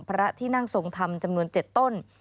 พระที่นั่งทรงธรรมจำนวน๗ต้น